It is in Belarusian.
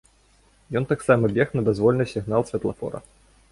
Ён таксама бег на дазвольны сігнал святлафора.